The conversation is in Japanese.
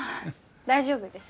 大丈夫です